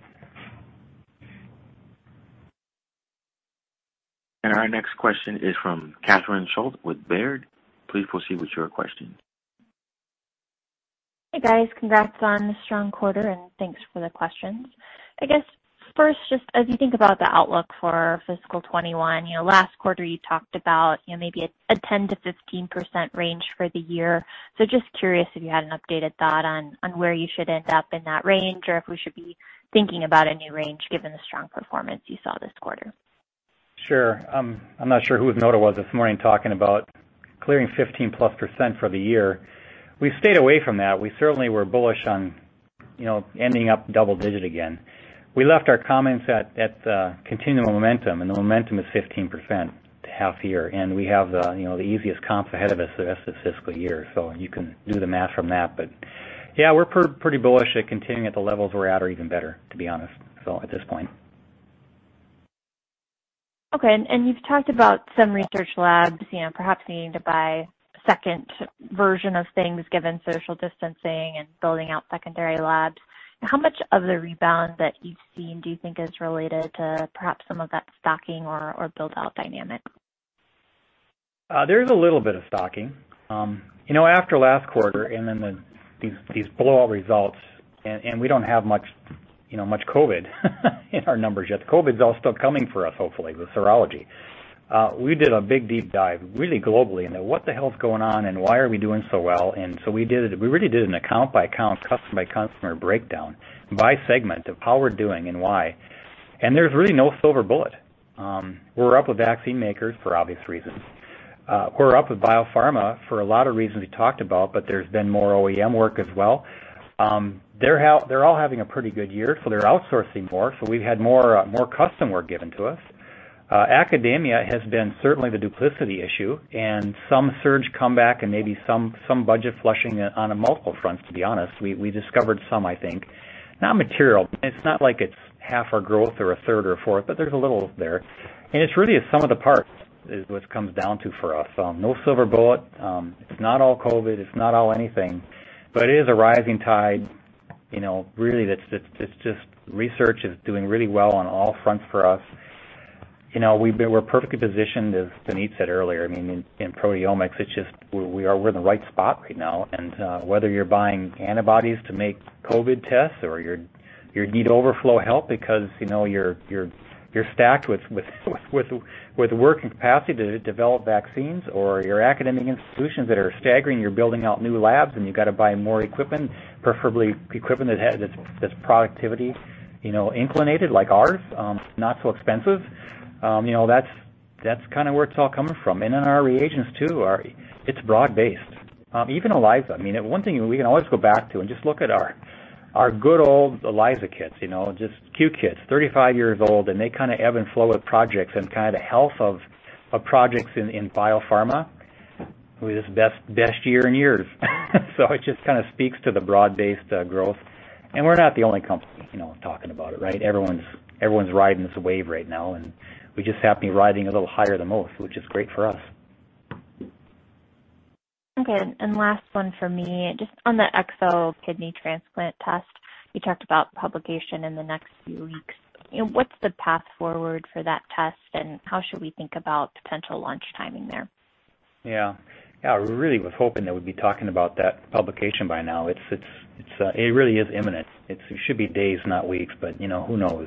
Our next question is from Catherine Schulte with Baird. Please proceed with your question. Hey, guys. Congrats on the strong quarter, and thanks for the questions. I guess first, just as you think about the outlook for fiscal 2021, last quarter you talked about maybe a 10%-15% range for the year. Just curious if you had an updated thought on where you should end up in that range or if we should be thinking about a new range given the strong performance you saw this quarter? Sure. I'm not sure whose note it was this morning talking about clearing 15+% for the year. We've stayed away from that. We certainly were bullish on ending up double digit again. We left our comments at the continual momentum, and the momentum is 15% half year, and we have the easiest comps ahead of us the rest of the fiscal year. You can do the math from that. Yeah, we're pretty bullish at continuing at the levels we're at or even better, to be honest, so at this point. Okay, you've talked about some research labs perhaps needing to buy second version of things given social distancing and building out secondary labs. How much of the rebound that you've seen do you think is related to perhaps some of that stocking or build-out dynamic? There's a little bit of stocking. After last quarter and then these blowout results, and we don't have much COVID in our numbers yet. The COVID's all still coming for us, hopefully, the serology. We did a big, deep dive, really globally, into what the hell's going on and why are we doing so well. We really did an account-by-account, customer-by-customer breakdown by segment of how we're doing and why, and there's really no silver bullet. We're up with vaccine makers for obvious reasons. We're up with biopharma for a lot of reasons we talked about, but there's been more OEM work as well. They're all having a pretty good year, so they're outsourcing more. We've had more custom work given to us. Academia has been certainly the duplicity issue and some surge comeback and maybe some budget flushing on multiple fronts, to be honest. We discovered some, I think. Not material. It's not like it's half our growth or a third or a fourth, but there's a little there. It's really a sum of the parts is what it comes down to for us. No silver bullet. It's not all COVID, it's not all anything, but it is a rising tide, really, that's just research is doing really well on all fronts for us. We're perfectly positioned, as Puneet said earlier. In proteomics, we're in the right spot right now, and whether you're buying antibodies to make COVID tests or you need overflow help because you're stacked with working capacity to develop vaccines or you're academic institutions that are staggering, you're building out new labs, and you've got to buy more equipment, preferably equipment that's productivity-inclinated like ours, not so expensive. That's kind of where it's all coming from. In our reagents too, it's broad based. Even ELISA. One thing we can always go back to and just look at our good old ELISA kits, just Quantikine kits, 35 years old, and they kind of ebb and flow with projects and kind of the health of projects in biopharma, this is best year in years. It just kind of speaks to the broad-based growth. We're not the only company talking about it, right? Everyone's riding this wave right now, and we just happen to be riding a little higher than most, which is great for us. Okay, last one for me. Just on the Exo kidney transplant test, you talked about publication in the next few weeks. What's the path forward for that test, how should we think about potential launch timing there? Yeah. I really was hoping that we'd be talking about that publication by now. It really is imminent. It should be days, not weeks, but who knows?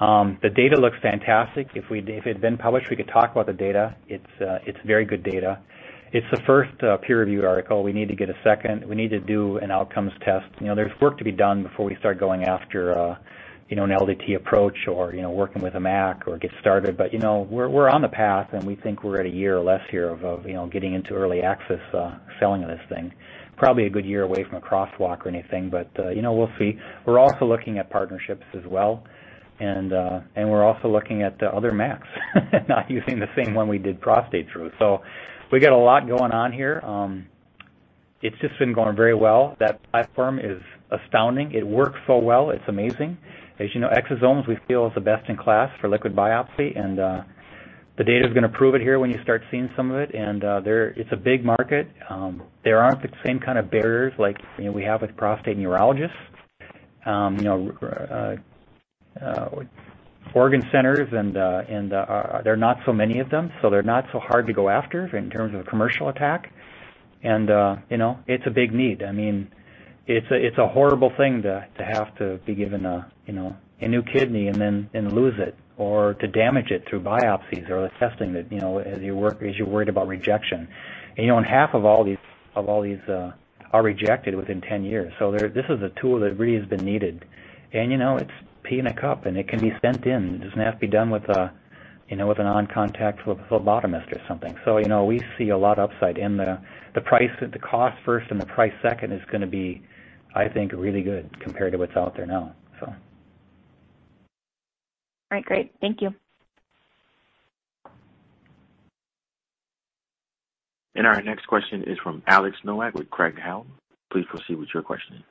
The data looks fantastic. If it had been published, we could talk about the data. It's very good data. It's the first peer-reviewed article. We need to get a second. We need to do an outcomes test. There's work to be done before we start going after an LDT approach or working with a MAC or get started. We're on the path, and we think we're at a year or less here of getting into early access selling of this thing. Probably a good year away from a crosswalk or anything, but we'll see. We're also looking at partnerships as well and we're also looking at other MACs, not using the same one we did prostate through. We've got a lot going on here. It's just been going very well. That platform is astounding. It works so well. It's amazing. As you know, exosomes, we feel, is the best in class for liquid biopsy, and the data is going to prove it here when you start seeing some of it. It's a big market. There aren't the same kind of barriers like we have with prostate urologists. Organ centers, there are not so many of them, so they're not so hard to go after in terms of a commercial attack. It's a big need. It's a horrible thing to have to be given a new kidney and then lose it or to damage it through biopsies or testing as you're worried about rejection. Half of all these are rejected within 10 years. This is a tool that really has been needed. It's pee in a cup, and it can be sent in. It doesn't have to be done with a on-contact phlebotomist or something. We see a lot of upside in the price, the cost first and the price second is going to be, I think, really good compared to what's out there now. All right, great. Thank you. Our next question is from Alex Nowak with Craig-Hallum. Please proceed with your question.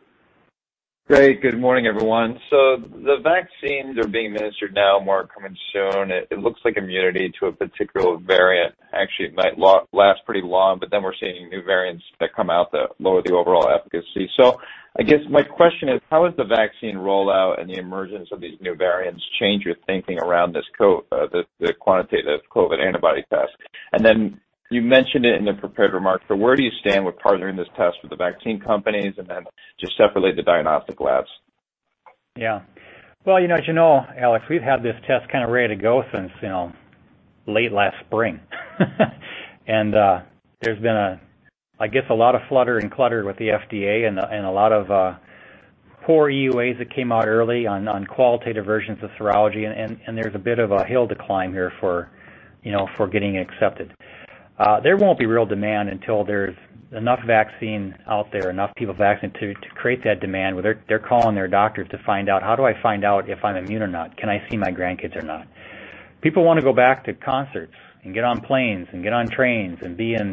Great. Good morning, everyone. The vaccines are being administered now, more are coming soon. It looks like immunity to a particular variant actually might last pretty long, but then we're seeing new variants that come out that lower the overall efficacy. I guess my question is, how is the vaccine rollout and the emergence of these new variants change your thinking around the quantitative COVID antibody test? You mentioned it in the prepared remarks, but where do you stand with partnering this test with the vaccine companies and then just separately the diagnostic labs? Yeah. Well, as you know, Alex, we've had this test kind of ready to go since late last spring. There's been a, I guess, a lot of flutter and clutter with the FDA and a lot of poor EUAs that came out early on qualitative versions of serology, there's a bit of a hill to climb here for getting accepted. There won't be real demand until there's enough vaccine out there, enough people vaccinated to create that demand where they're calling their doctors to find out, "How do I find out if I'm immune or not? Can I see my grandkids or not?" People want to go back to concerts and get on planes and get on trains and be in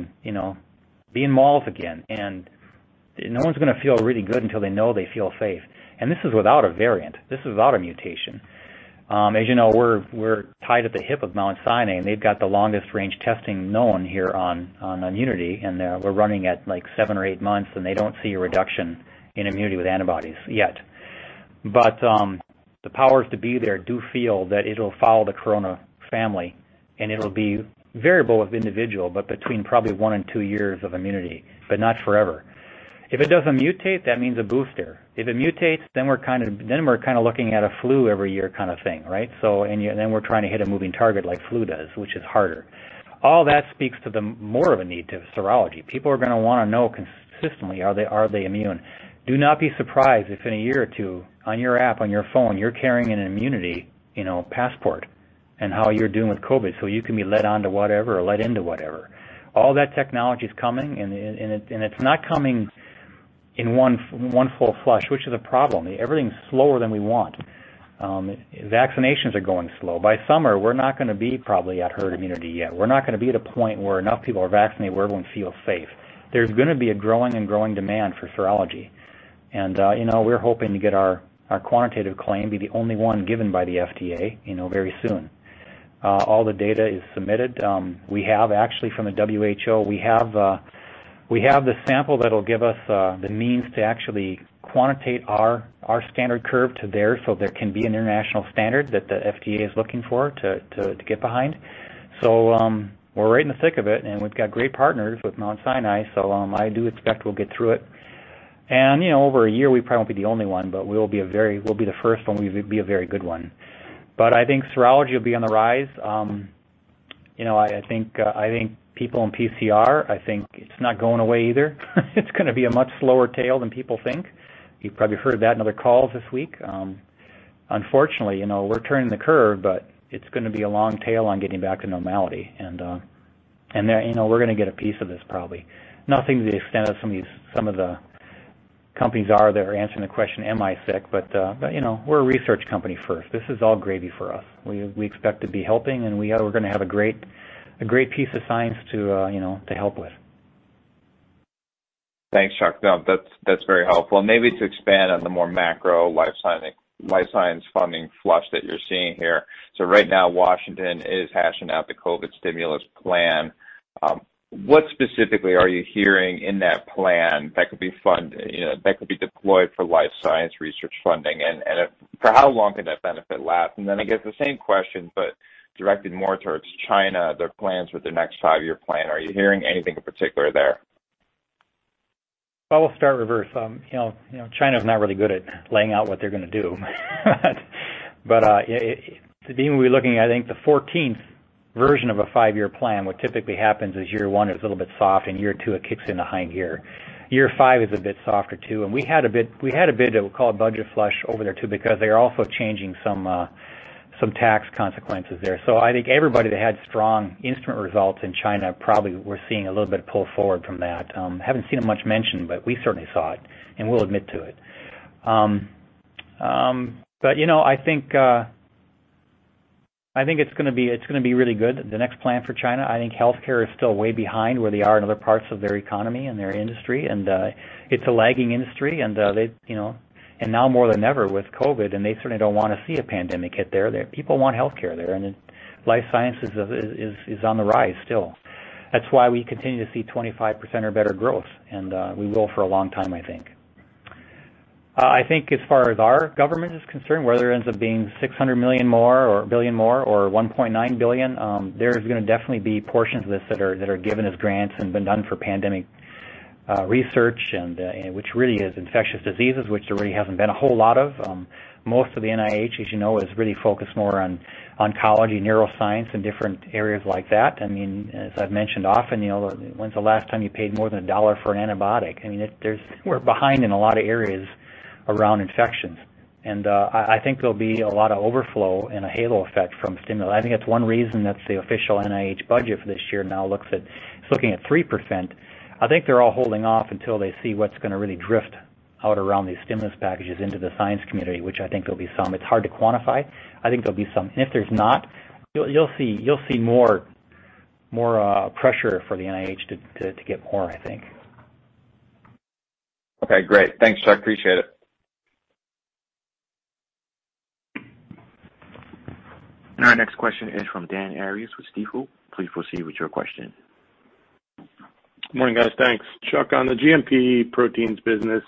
malls again, no one's going to feel really good until they know they feel safe. This is without a variant, this is without a mutation. As you know, we're tied at the hip of Mount Sinai. They've got the longest range testing known here on immunity. We're running at seven or eight months. They don't see a reduction in immunity with antibodies yet. The powers that be there do feel that it'll follow the corona family. It'll be variable of individual, but between probably one and two years of immunity, but not forever. If it doesn't mutate, that means a booster. If it mutates, we're kind of looking at a flu every year kind of thing, right? We're trying to hit a moving target like flu does, which is harder. All that speaks to the more of a need to serology. People are going to want to know consistently, are they immune? Do not be surprised if in a year or two on your app on your phone, you're carrying an immunity passport and how you're doing with COVID, so you can be let onto whatever or let into whatever. All that technology's coming. It's not coming in one full flush, which is a problem. Everything's slower than we want. Vaccinations are going slow. By summer, we're not going to be probably at herd immunity yet. We're not going to be at a point where enough people are vaccinated where everyone feels safe. There's going to be a growing and growing demand for serology. We're hoping to get our quantitative claim be the only one given by the FDA very soon. All the data is submitted. We have actually from the WHO, we have the sample that'll give us the means to actually quantitate our standard curve to theirs so there can be an international standard that the FDA is looking for to get behind. We're right in the thick of it, and we've got great partners with Mount Sinai. I do expect we'll get through it. Over a year, we probably won't be the only one, but we'll be the first one. We'll be a very good one. I think serology will be on the rise. I think people in PCR, I think it's not going away either. It's going to be a much slower tail than people think. You've probably heard that in other calls this week. Unfortunately, we're turning the curve, but it's going to be a long tail on getting back to normality, and we're going to get a piece of this probably. We're a research company first. This is all gravy for us. We expect to be helping, and we're going to have a great piece of science to help with. Thanks, Chuck. No, that's very helpful, maybe to expand on the more macro life science funding flush that you're seeing here. Right now, Washington is hashing out the COVID stimulus plan. What specifically are you hearing in that plan that could be deployed for life science research funding? For how long can that benefit last? I guess the same question, but directed more towards China, their plans for their next five-year plan. Are you hearing anything in particular there? Well, we'll start reverse. China's not really good at laying out what they're going to do. To the theme, we're looking at, I think, the 14th version of a five-year plan. What typically happens is year one is a little bit soft, and year two, it kicks into high gear. Year five is a bit softer, too, and we had a bit of, we'll call it budget flush over there, too, because they're also changing some tax consequences there. I think everybody that had strong instrument results in China probably were seeing a little bit of pull forward from that. Haven't seen it much mentioned, but we certainly saw it, and we'll admit to it. I think it's going to be really good, the next plan for China. I think healthcare is still way behind where they are in other parts of their economy and their industry, and it's a lagging industry, and now more than ever with COVID, and they certainly don't want to see a pandemic hit there. People want healthcare there, and life science is on the rise still. That's why we continue to see 25% or better growth, and we will for a long time, I think. I think as far as our government is concerned, whether it ends up being $600 million more or $1 billion more or $1.9 billion, there's going to definitely be portions of this that are given as grants and been done for pandemic research, and which really is infectious diseases, which there really hasn't been a whole lot of. Most of the NIH, as you know, is really focused more on oncology, neuroscience, and different areas like that. As I've mentioned often, when's the last time you paid more than $1 for an antibiotic? We're behind in a lot of areas around infections. I think there'll be a lot of overflow and a halo effect from stimuli. I think that's one reason that the official NIH budget for this year now is looking at 3%. I think they're all holding off until they see what's going to really drift out around these stimulus packages into the science community, which I think there'll be some. It's hard to quantify. I think there'll be some. If there's not, you'll see more pressure for the NIH to get more, I think. Okay, great. Thanks, Chuck. Appreciate it. Our next question is from Dan Arias with Stifel. Please proceed with your question. Morning, guys. Thanks. Chuck, on the GMP proteins business,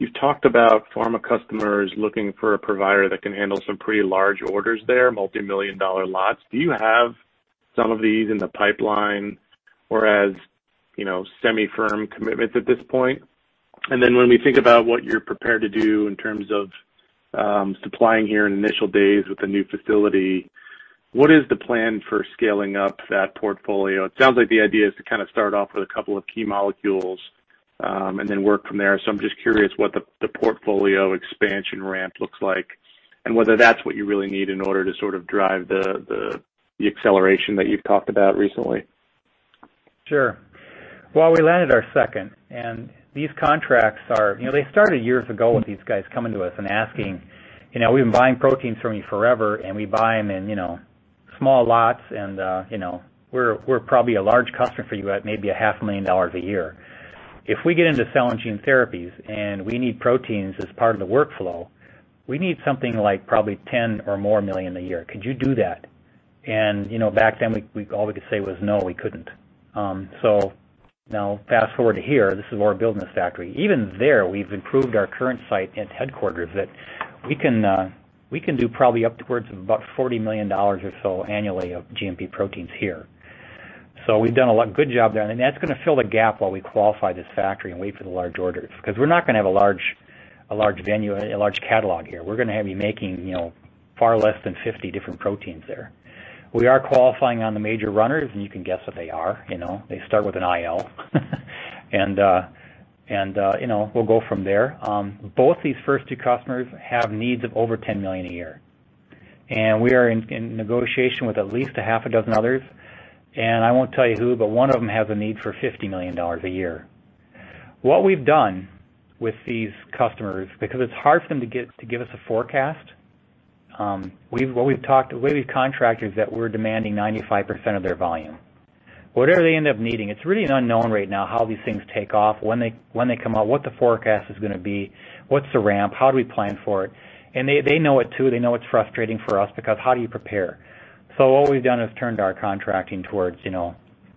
you've talked about pharma customers looking for a provider that can handle some pretty large orders there, multimillion-dollar lots. Do you have some of these in the pipeline or as semi-firm commitments at this point? When we think about what you're prepared to do in terms of supplying here in initial days with the new facility, what is the plan for scaling up that portfolio? It sounds like the idea is to start off with a couple of key molecules to work from there. I'm just curious what the portfolio expansion ramp looks like and whether that's what you really need in order to sort of drive the acceleration that you've talked about recently. Well, we landed our second, and these contracts are, they started years ago with these guys coming to us and asking, "We've been buying proteins from you forever, and we buy them in small lots, and we're probably a large customer for you at maybe a half a million dollars a year. If we get into cell and gene therapies and we need proteins as part of the workflow, we need something like probably $10 million or more a year. Could you do that?" Back then, all we could say was no, we couldn't. Now fast-forward to here, this is our building, this factory. Even there, we've improved our current site and headquarters that we can do probably upwards of about $40 million or so annually of GMP proteins here. We've done a good job there, and that's going to fill the gap while we qualify this factory and wait for the large orders, because we're not going to have a large venue, a large catalog here. We're going to be making far less than 50 different proteins there. We are qualifying on the major runners, and you can guess what they are. They start with an IL, and we'll go from there. Both these first two customers have needs of over $10 million a year, and we are in negotiation with at least a half a dozen others, and I won't tell you who, but one of them has a need for $50 million a year. What we've done with these customers, because it's hard for them to give us a forecast. The way we've contracted is that we're demanding 95% of their volume. Whatever they end up needing, it's really an unknown right now how these things take off, when they come out, what the forecast is going to be, what's the ramp, how do we plan for it? They know it too. They know it's frustrating for us because how do you prepare? What we've done is turned our contracting towards,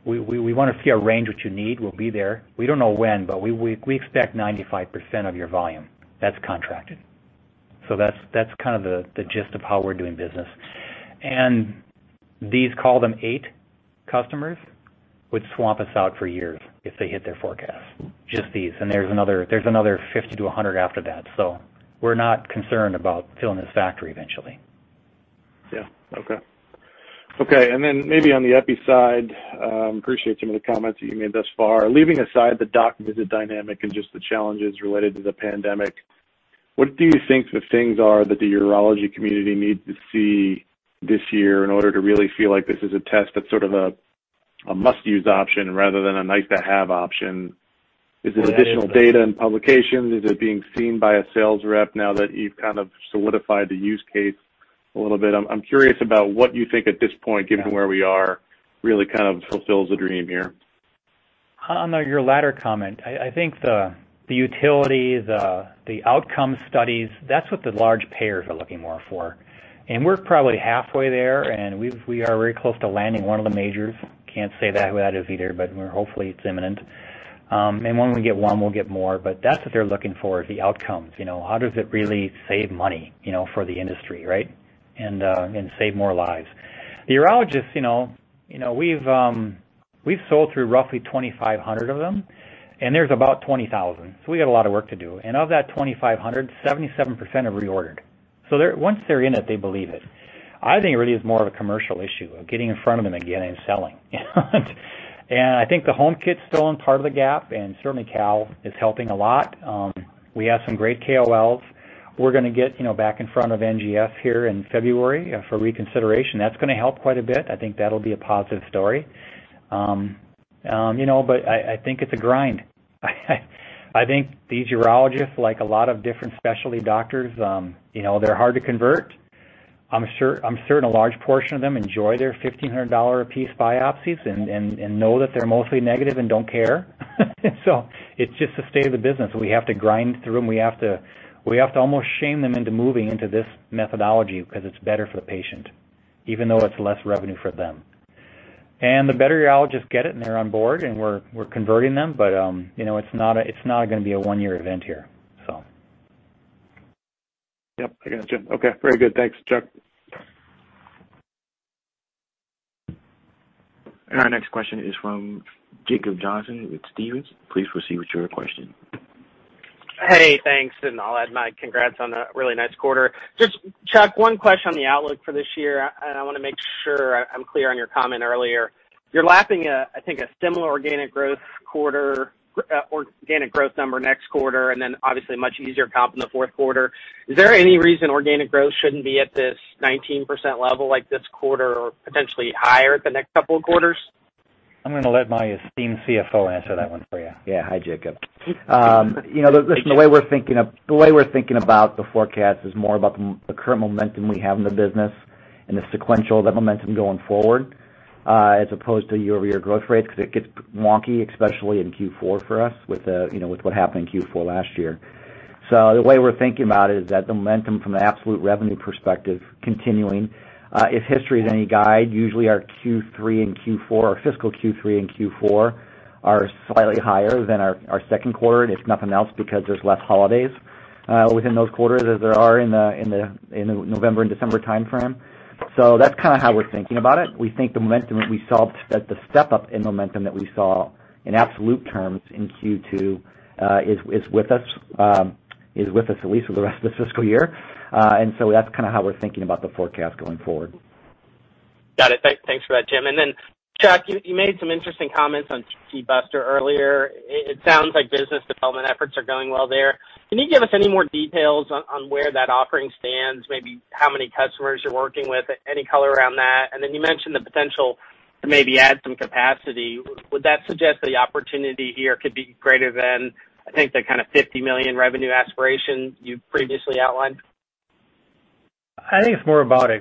we want to see a range, which you need. We'll be there. We don't know when, but we expect 95% of your volume. That's contracted. That's kind of the gist of how we're doing business. These, call them eight customers, would swamp us out for years if they hit their forecast. Just these, and there's another 50-100 after that, so we're not concerned about filling this factory eventually. Yeah. Okay. Okay. Then maybe on the EPI side, appreciate some of the comments that you've made thus far. Leaving aside the doc visit dynamic and just the challenges related to the pandemic, what do you think the things are that the urology community needs to see this year in order to really feel like this is a test that's sort of a must-use option rather than a nice-to-have option? Is it additional data and publications? Is it being seen by a sales rep now that you've kind of solidified the use case a little bit? I'm curious about what you think at this point, given where we are, really kind of fulfills the dream here. On your latter comment, I think the utility, the outcome studies, that's what the large payers are looking more for, and we're probably halfway there, and we are very close to landing one of the majors. Can't say who that is either, hopefully it's imminent. When we get one, we'll get more, but that's what they're looking for is the outcomes. How does it really save money for the industry, right? Save more lives. The urologists, we've sold through roughly 2,500 of them, and there's about 20,000, so we got a lot of work to do. Of that 2,500, 77% have reordered. Once they're in it, they believe it. I think it really is more of a commercial issue of getting in front of them again and selling. I think the home kit's still part of the gap, certainly Cal is helping a lot. We have some great KOLs. We're going to get back in front of NCCN here in February for reconsideration. That's going to help quite a bit. I think that'll be a positive story. I think it's a grind. I think these urologists, like a lot of different specialty doctors, they're hard to convert. I'm certain a large portion of them enjoy their $1,500 a piece biopsies and know that they're mostly negative and don't care. It's just the state of the business. We have to grind through them. We have to almost shame them into moving into this methodology because it's better for the patient, even though it's less revenue for them. The better urologists get it, and they're on board, and we're converting them. It's not going to be a one-year event here. Yep. I got you. Okay. Very good. Thanks, Chuck. Our next question is from Jacob Johnson with Stephens. Please proceed with your question. Hey, thanks, and I'll add my congrats on a really nice quarter. Just Chuck, one question on the outlook for this year, and I want to make sure I'm clear on your comment earlier. You're lapping I think a similar organic growth quarter, organic growth number next quarter, and then obviously a much easier comp in the fourth quarter. Is there any reason organic growth shouldn't be at this 19% level like this quarter or potentially higher the next couple of quarters? I'm going to let my esteemed CFO answer that one for you. Yeah. Hi, Jacob. Listen, the way we're thinking about the forecast is more about the current momentum we have in the business and the sequential of that momentum going forward, as opposed to year-over-year growth rates, because it gets wonky, especially in Q4 for us with what happened in Q4 last year. The way we're thinking about it is that the momentum from an absolute revenue perspective continuing. If history is any guide, usually our Q3 and Q4, our fiscal Q3 and Q4 are slightly higher than our second quarter, and if nothing else, because there's less holidays within those quarters as there are in the November and December timeframe. That's kind of how we're thinking about it. We think the momentum that we saw, that the step-up in momentum that we saw in absolute terms in Q2 is with us at least for the rest of the fiscal year. That's kind of how we're thinking about the forecast going forward. Got it. Thanks for that, Jim. Chuck, you made some interesting comments on TcBuster earlier. It sounds like business development efforts are going well there. Can you give us any more details on where that offering stands? Maybe how many customers you're working with? Any color around that? You mentioned the potential to maybe add some capacity. Would that suggest the opportunity here could be greater than, I think, the kind of $50 million revenue aspiration you previously outlined? I think it's more about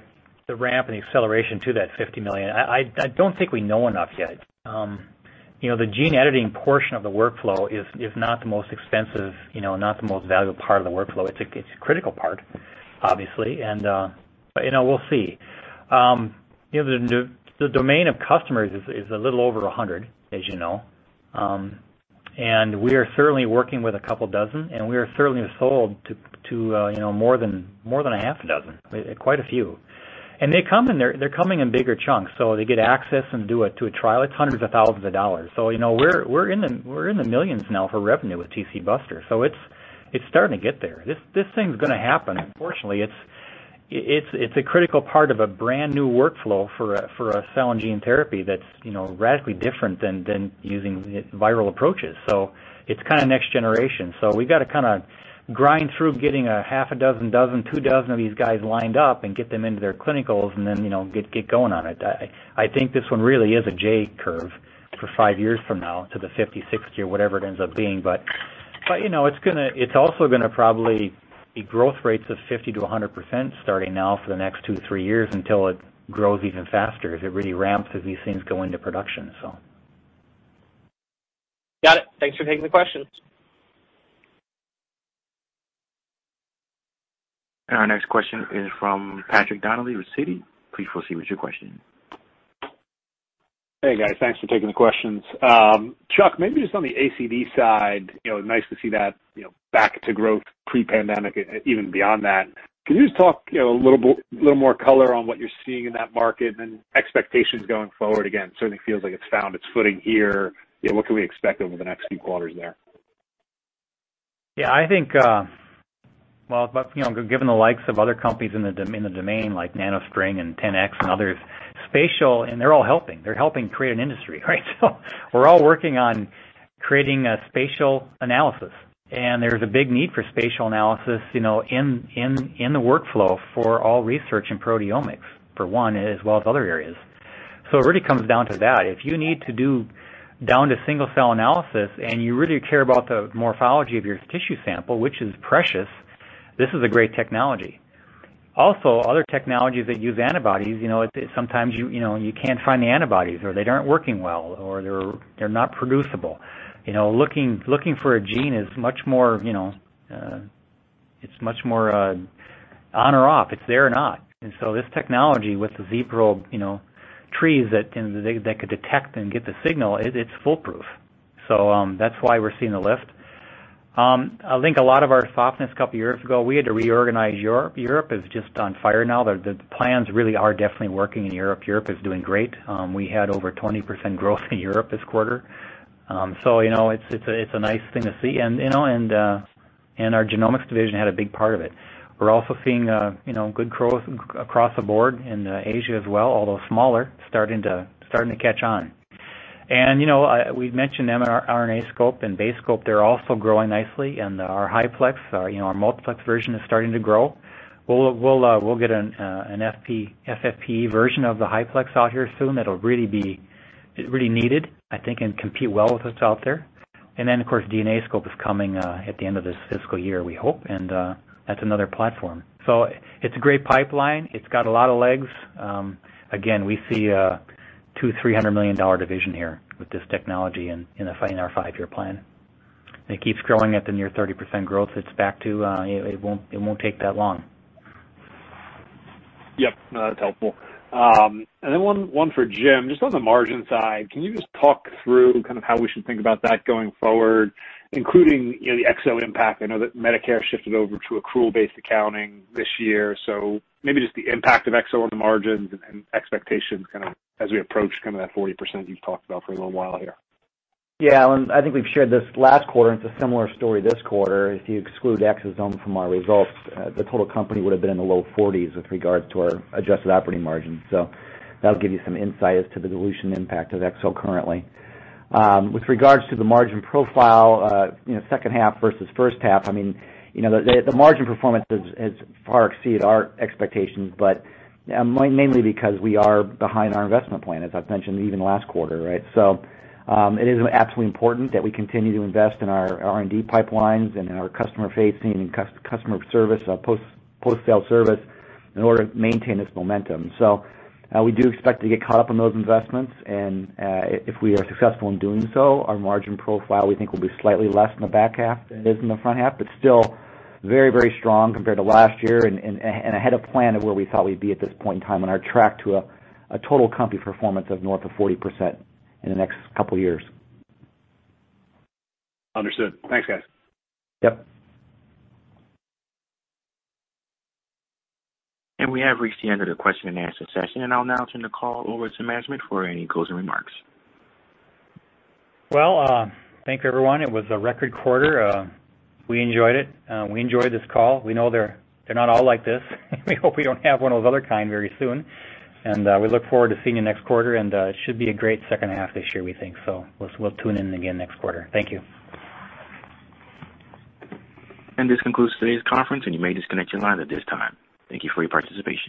the ramp and the acceleration to that $50 million. I don't think we know enough yet. The gene editing portion of the workflow is not the most expensive, not the most valuable part of the workflow. It's a critical part, obviously, but we'll see. The domain of customers is a little over 100, as you know. We are certainly working with a couple dozen, and we are certainly sold to more than a half a dozen, quite a few. They're coming in bigger chunks. They get access and do a trial. It's hundreds of thousands of dollars. We're in the millions now for revenue with TcBuster. It's starting to get there. This thing's going to happen. Unfortunately, it's a critical part of a brand-new workflow for a cell and gene therapy that's radically different than using viral approaches. It's kind of next generation. We've got to kind of grind through getting a half a dozen, two dozen of these guys lined up and get them into their clinicals and then get going on it. I think this one really is a J curve for five years from now to the 50, 60 or whatever it ends up being. It's also going to probably be growth rates of 50%-100% starting now for the next two to three years until it grows even faster as it really ramps as these things go into production. Got it. Thanks for taking the question. Our next question is from Patrick Donnelly with Citi. Please proceed with your question. Hey, guys. Thanks for taking the questions. Chuck, maybe just on the ACD side, nice to see that back to growth pre-pandemic, even beyond that. Can you just talk a little more color on what you're seeing in that market and expectations going forward? Again, certainly feels like it's found its footing here. What can we expect over the next few quarters there? Yeah, I think given the likes of other companies in the domain, like NanoString and 10x and others, spatial. They're all helping create an industry, right? We're all working on creating a spatial analysis, and there's a big need for spatial analysis in the workflow for all research in proteomics for one, as well as other areas. It really comes down to that. If you need to do down to single-cell analysis and you really care about the morphology of your tissue sample, which is precious, this is a great technology. Also, other technologies that use antibodies, sometimes you can't find the antibodies, or they aren't working well, or they're not producible. Looking for a gene is much more on or off. It's there or not. This technology with the Z-probe trees that could detect and get the signal, it's foolproof. That's why we're seeing a lift. I think a lot of our softness a couple of years ago, we had to reorganize Europe. Europe is just on fire now. The plans really are definitely working in Europe. Europe is doing great. We had over 20% growth in Europe this quarter. It's a nice thing to see. Our genomics division had a big part of it. We're also seeing good growth across the board in Asia as well, although smaller, starting to catch on. We've mentioned miRNAscope and BaseScope. They're also growing nicely, and our HiPlex, our multiplex version, is starting to grow. We'll get an FFPE version of the HiPlex out here soon that'll really be needed, I think, and compete well with what's out there. Then, of course, DNAscope is coming at the end of this fiscal year, we hope, and that's another platform. It's a great pipeline. It's got a lot of legs. Again, we see a $200 million-$300 million division here with this technology in our five-year plan. If it keeps growing at the near 30% growth it's back to, it won't take that long. Yep. No, that's helpful. Then one for Jim. Just on the margin side, can you just talk through kind of how we should think about that going forward, including the Exo impact? I know that Medicare shifted over to accrual-based accounting this year, so maybe just the impact of Exo on the margins and expectations kind of as we approach that 40% you've talked about for a little while here. Yeah. I think we've shared this last quarter, and it's a similar story this quarter. If you exclude Exosome from our results, the total company would have been in the low 40s with regards to our adjusted operating margin. That'll give you some insight as to the dilution impact of Exo currently. With regards to the margin profile, second half versus first half, the margin performance has far exceeded our expectations, but mainly because we are behind our investment plan, as I've mentioned even last quarter, right? It is absolutely important that we continue to invest in our R&D pipelines and in our customer-facing and customer service, our post-sale service, in order to maintain this momentum. We do expect to get caught up on those investments, and if we are successful in doing so, our margin profile, we think, will be slightly less in the back half than it is in the front half, but still very strong compared to last year and ahead of plan of where we thought we'd be at this point in time on our track to a total company performance of north of 40% in the next couple of years. Understood. Thanks, guys. Yep. We have reached the end of the question and answer session. I'll now turn the call over to management for any closing remarks. Well, thank you, everyone. It was a record quarter. We enjoyed it. We enjoyed this call. We know they're not all like this. We hope we don't have one of the other kind very soon. We look forward to seeing you next quarter, and it should be a great second half this year, we think. We'll tune in again next quarter. Thank you. This concludes today's conference, and you may disconnect your lines at this time. Thank you for your participation.